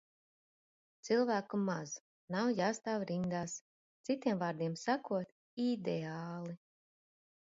Cilvēku maz. Nav jāstāv rindās. Citiem vārdiem sakot – ideāli.